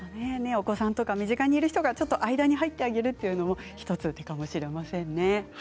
お子さんとか身近にいる人が間に入ってあげるというのも１つの手かもしれませんね。